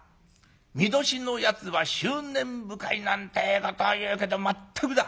巳年のやつは執念深いなんてえことを言うけどまったくだ。